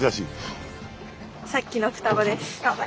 はい。